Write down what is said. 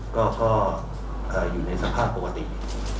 ก็อยู่ในสภาพปกตินะครับ